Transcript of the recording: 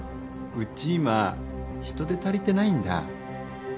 うち今人手足りてないんだ。